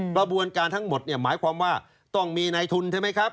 กระบวนการทั้งหมดเนี่ยหมายความว่าต้องมีในทุนใช่ไหมครับ